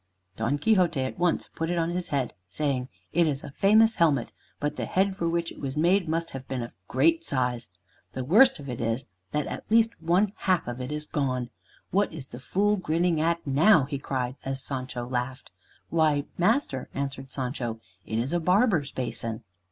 Don Quixote at once put it on his head, saying, "It is a famous helmet, but the head for which it was made must have been of great size. The worst of it is that at least one half of it is gone. What is the fool grinning at now?" he cried, as Sancho laughed. "Why, master," answered Sancho, "it is a barber's basin."